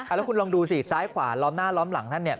แล้วคุณลองดูสิซ้ายขวาล้อมหน้าล้อมหลังท่านเนี่ย